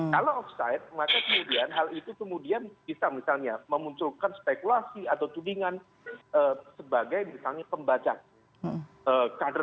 kalau offside maka kemudian hal itu kemudian bisa misalnya memunculkan spekulasi atau tudingan sebagai misalnya pembacaan